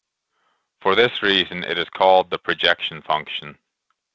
For this reason it is called the projection function.